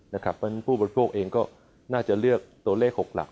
เพราะฉะนั้นผู้บริโภคเองก็น่าจะเลือกตัวเลข๖หลัก